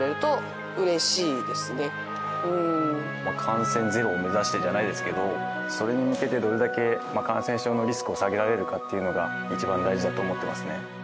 感染ゼロを目指してじゃないですけどそれに向けてどれだけ感染症のリスクを下げられるかっていうのが一番大事だと思っていますね。